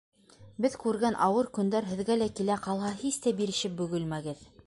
Беҙ күргән ауыр көндәр һеҙгә лә килә ҡалһа, һис тә бирешеп бөгөлмәгеҙ.